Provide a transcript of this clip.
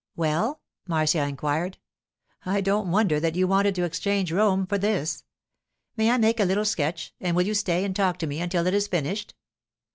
'Well?' Marcia inquired. 'I don't wonder that you wanted to exchange Rome for this! May I make a little sketch, and will you stay and talk to me until it is finished?